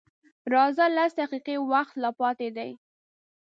_راځه! لس دقيقې وخت لا پاتې دی.